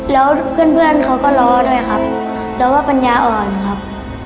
แล้วเพื่อนเพื่อนเขาก็ล้อด้วยครับล้อว่าปัญญาอ่อนครับ